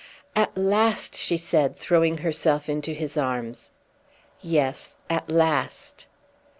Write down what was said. "At last!" she said, throwing herself into his arms. "Yes, at last."